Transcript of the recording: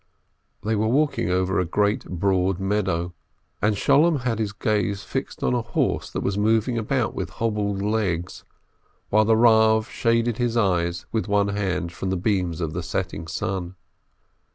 They were walking over a great, broad meadow, and Sholem had his gaze fixed on a horse that was moving about with hobbled legs, while the Eav shaded his eyes with one hand from the beams of the setting sun.